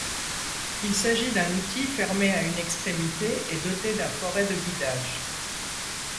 Il s'agit d'un outil fermé à une extrémité et doté d'un foret de guidage.